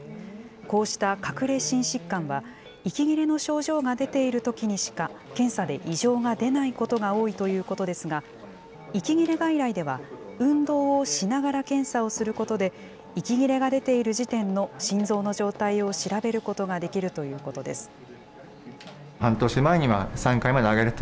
こうした隠れ心疾患は息切れの症状が出ているときにしか検査で異常が出ないことが多いということですが、息切れ外来では運動をしながら検査をすることで、息切れが出ている時点の心臓の状態を調べることができるということです。